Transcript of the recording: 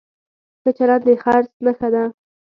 ښه چلند د خرڅ نښه ده.